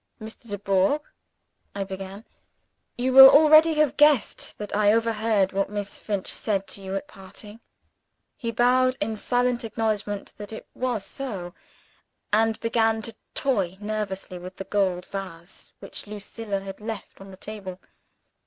"Mr. Dubourg," I began, "you will already have guessed that I overheard what Miss Finch said to you at parting?" He bowed, in silent acknowledgment that it was so and began to toy nervously with the gold vase which Lucilla had left on the table.